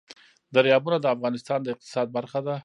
دریابونه د افغانستان د اقتصاد برخه ده.